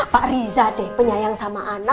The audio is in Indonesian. pak riza deh penyayang sama anak